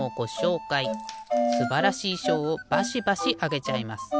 すばらしいしょうをバシバシあげちゃいます。